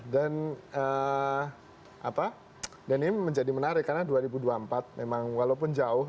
dan ini menjadi menarik karena dua ribu dua puluh empat memang walaupun jauh